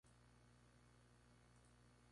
De ese matrimonio nacerían seis hijos.